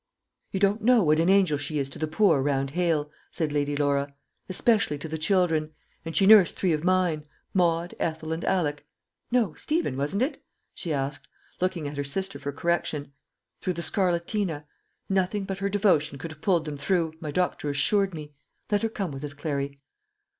"You do not know what an angel she is to the poor round Hale," said Lady Laura; "especially to the children. And she nursed three of mine, Maud, Ethel, and Alick no; Stephen, wasn't it?" she asked, looking at her sister for correction "through the scarlatina. Nothing but her devotion could have pulled them through, my doctor assured me. Let her come with us, Clary."